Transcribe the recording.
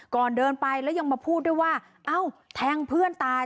ก่อนเดินไปแล้วยังมาพูดด้วยว่าเอ้าแทงเพื่อนตาย